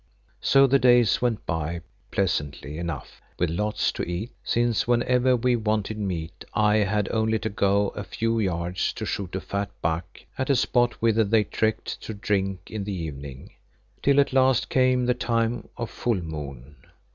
So the days went by pleasantly enough with lots to eat, since whenever we wanted meat I had only to go a few yards to shoot a fat buck at a spot whither they trekked to drink in the evening, till at last came the time of full moon.